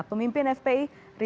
pemimpin fpi rizik syarif